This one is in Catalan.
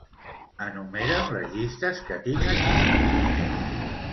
Enumera'm les llistes que tinc aquí.